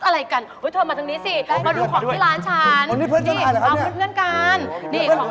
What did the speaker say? ร่าจันทรายมีแฟนหรือยัง